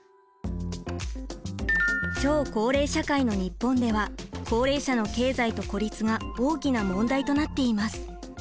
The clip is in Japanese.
超高齢社会の日本では高齢者の経済と孤立が大きな問題となっています。